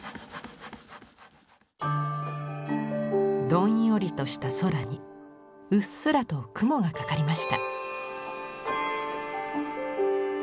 どんよりとした空にうっすらと雲がかかりました。